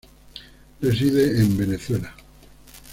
Reside en Venezuela.